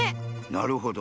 なるほど。